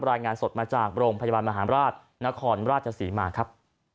รายงานสดมาจากโรงพยาบาลมหาราชนครราชศรีมาครับ